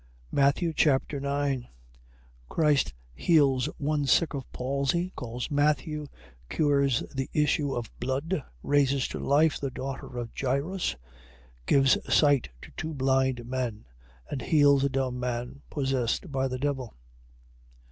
Matthew Chapter 9 Christ heals one sick of palsy: calls Matthew: cures the issue of blood: raises to life the daughter of Jairus: gives sight to two blind men: and heals a dumb man possessed by the devil.